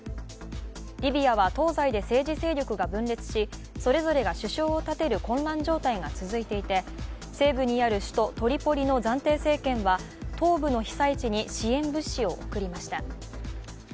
リビアは東西で政治勢力が分裂し、それぞれが首相を立てる混乱状態が続いていて西部にある首都トリポリの暫定政権は東部の被災地に支援物資を送りました。